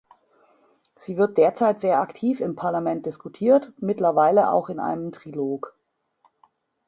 Sie wird derzeit sehr aktiv im Parlament diskutiert, mittlerweile auch in einem Trilog.